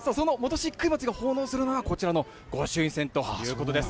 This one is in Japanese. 石灰町が奉納するのはこちらの御朱印船ということです。